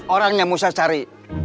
orangnya musah cari